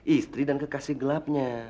istri dan kekasih gelapnya